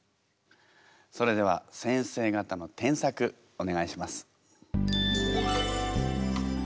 それでは先生方の添削お願いします。